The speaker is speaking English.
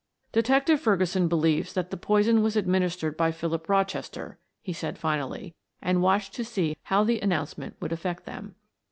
"Detective Ferguson believes that the poison was administered by Philip Rochester," he said finally, and watched to see how the announcement would affect them.